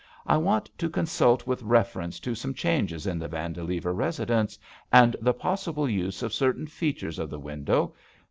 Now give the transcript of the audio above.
I want to consult with reference to some changes in the Vandilever residence and J3( JUST SWEETHEARTS the possible use of certain features of the win dow.